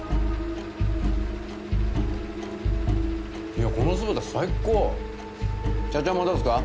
いやこの酢豚最高社長もどうっすか？